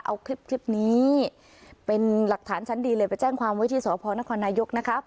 เอาคลิปนี้เป็นหลักฐานชั้นดีเลยไปแจ้งความไว้ที่สพนครนายกนะครับ